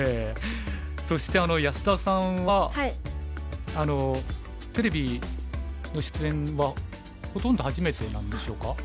そして安田さんはテレビの出演はほとんど初めてなんでしょうか？